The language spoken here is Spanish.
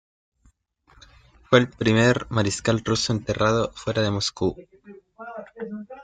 Fue el primer mariscal ruso enterrado fuera de Moscú.